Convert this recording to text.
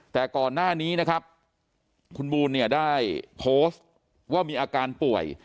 แต่ก่อนหน้านี้นะครับคุณบูลเนี่ยได้โพสต์ว่ามีอาการป่วย